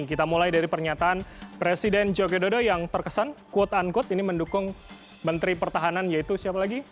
kita mulai dari pernyataan presiden jogedo yang terkesan quote unquote ini mendukung menteri pertahanan yaitu siapa lagi